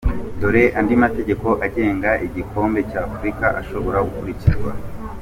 Dore andi mategeko agenga igikombe cy’Afurika ashobora gukurikizwa :.